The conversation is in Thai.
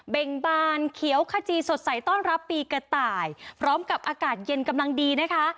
เบ่งบานเขียวขจีสดใสต้อนรับปีกระต่ายพร้อมกับอากาศเย็นกำลังดีนะคะ